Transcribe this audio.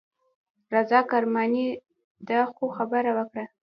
رضا کرماني خو دا خبره وکړه.